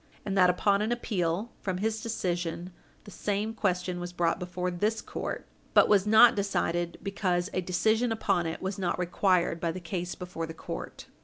And that upon an appeal Page 60 U. S. 444 from his decision the same question was brought before this court, but was not decided because a decision upon it was not required by the case before the court.